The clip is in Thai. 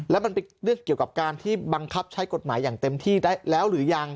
แล้วมันเป็นเรื่องเกี่ยวกับการที่บังคับใช้กฎหมายอย่างเต็มที่ได้แล้วหรือยัง